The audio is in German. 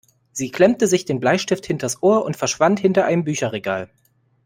Sie klemmte sich den Bleistift hinters Ohr und verschwand hinter einem Bücherregal.